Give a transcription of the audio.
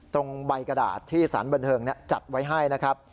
ตรงใบกระดาษที่สารบันเทิงจัดไว้ให้นะครับ